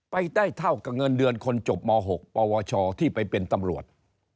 ไปได้เท่ากับเงินเดือนคนจบม๖ปวชที่ไปเป็นตำรวจ